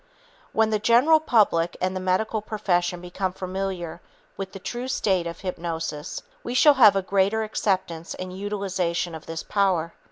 When the general public and the medical profession become familiar with the true nature of hypnosis, we shall have a greater acceptance and utilization of this power.